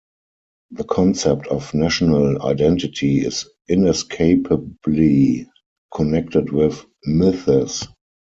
The concept of national identity is inescapably connected with myths.